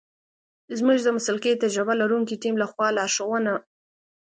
زمونږ د مسلکي تجربه لرونکی تیم لخوا لارښونه